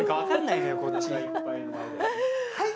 はい！